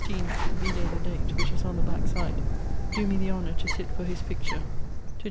(vide the date, which is on the backside) doe me the honour to sitt for his picture to Jo.